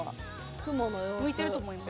むいてると思います。